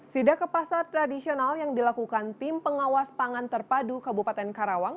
sida ke pasar tradisional yang dilakukan tim pengawas pangan terpadu kabupaten karawang